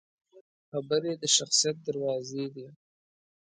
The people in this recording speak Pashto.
خبرې د شخصیت دروازې دي